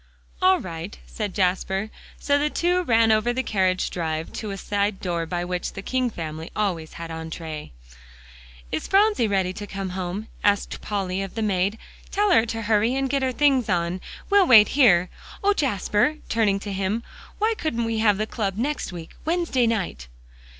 "All right," said Jasper; so the two ran over the carriage drive to a side door by which the King family always had entree. "Is Phronsie ready to come home?" asked Polly of the maid. "Tell her to hurry and get her things on; we'll wait here. Oh, Jasper!" turning to him, "why couldn't we have the club next week, Wednesday night?"